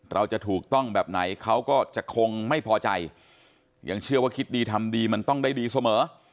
เราจะถูกต้องแบบไหนเขาก็จะคงไม่พอใจยังเชื่อว่าคิดดีทำดีมันต้องได้ดีเสมอ